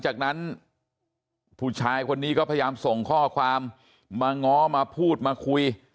จากนั้นผู้ชายคนนี้ก็พยายามส่งข้อความมาง้อมาพูดมาคุย